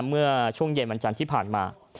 เมื่อช่วงเย็นวันจันทร์ที่ผ่านมา